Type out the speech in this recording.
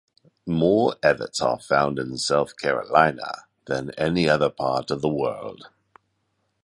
More Evatts are found in South Carolina than any other part of the world.